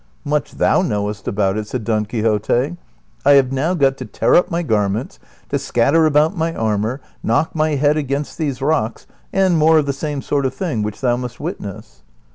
" Much thou knowest about it !" said Don Quixote. '* I have now got to tear up my garments, to scatter about my armor, knock my head against these rocks, and more of the same sort of thing, which thou must witness."